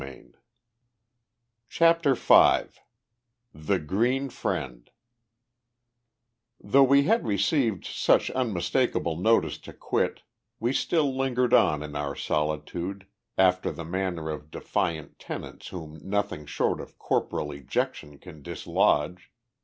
_ CHAPTER V THE GREEN FRIEND Though we had received such unmistakable notice to quit, we still lingered on in our solitude, after the manner of defiant tenants whom nothing short of corporal ejection can dislodge.